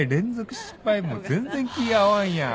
もう全然気合わんやん。